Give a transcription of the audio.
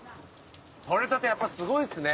取れたてやっぱすごいっすね。